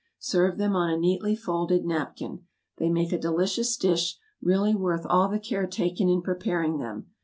Serve them on a neatly folded napkin. They make a delicious dish, really worth all the care taken in preparing them.